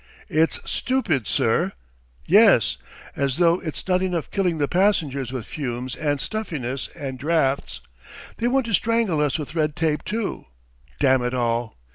"It's stupid, sir! Yes! As though it's not enough killing the passengers with fumes and stuffiness and draughts, they want to strangle us with red tape, too, damn it all!